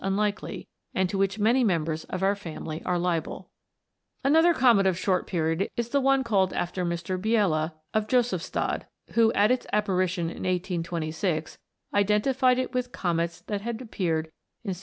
unlikely, and to which, many members of our family are liable. Another Comet of short period is the one called after Mr. Biela, of Josephstadt, who, at its appa rition in 1826, identified it with Comets that had appeared in 1772 and 1805.